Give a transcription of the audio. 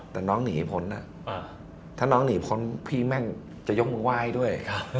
แต่น้องหนีพ้นถ้าน้องหนีพ้นพี่แม่งจะยกมือไหว้ด้วย